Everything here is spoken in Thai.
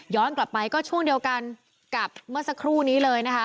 กลับไปก็ช่วงเดียวกันกับเมื่อสักครู่นี้เลยนะคะ